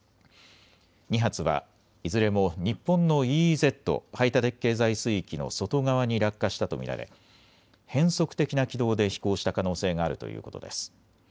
２発はいずれも日本のＥＥＺ・排他的経済水域の外側に落下したと見られ変則的な軌道で飛行した可能性があるということです。